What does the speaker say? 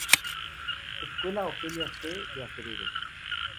Escuela Ofelia C. de Acevedo.